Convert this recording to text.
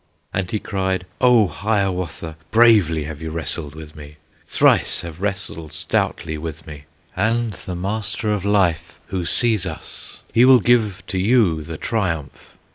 And he cried, "O Hiawatha! Bravely have you wrestled with me, Thrice have wrestled stoutly with me, And the Master of Life, who sees us, He will give to you the triumph!"